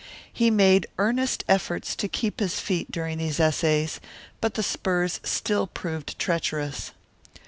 He made earnest efforts to keep his feet during these essays, but the spurs still proved treacherous.